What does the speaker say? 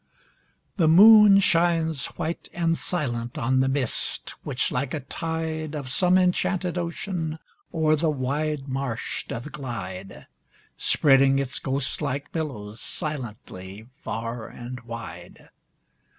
The moon shines white and silent On the mist, which, like a tide Of some enchanted ocean, O'er the wide marsh doth glide, Spreading its ghost like billows Silently far and wide.